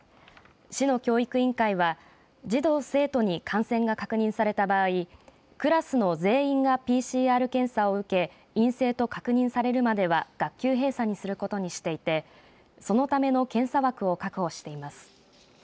市の教育委員会は児童、生徒に感染が確認された場合クラスの全員がＰＣＲ検査を受け陰性と確認されるまでは学級閉鎖にすることにしていてそのための検査枠を確保しています。